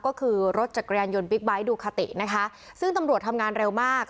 ก็คือรถจักรยานยนต์บิ๊กไบท์ดูคาตินะคะซึ่งตำรวจทำงานเร็วมาก